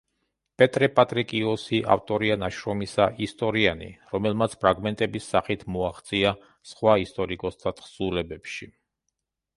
პეტრე პატრიკიოსი ავტორია ნაშრომისა „ისტორიანი“, რომელმაც ფრაგმენტების სახით მოაღწია სხვა ისტორიკოსთა თხზულებებში.